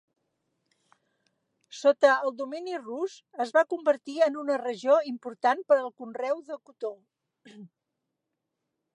Sota el domini rus, es va convertir en una regió important per al conreu de cotó.